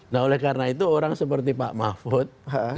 nah oleh karena itu orang seperti pak mahfud